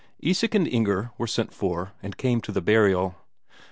Isak and Inger were sent for, and came to the burial.